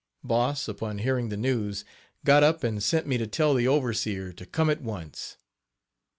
Boss, upon hearing the news, got up and sent me to tell the overseer to come at once.